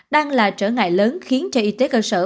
đang là trở ngại lớn khiến cho y tế cơ sở